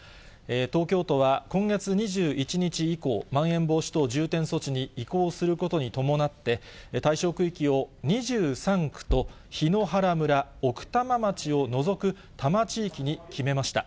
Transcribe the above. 東京都は今月２１日以降、まん延防止等重点措置に移行することに伴って、対象区域を２３区と檜原村、奥多摩町を除く多摩地域に決めました。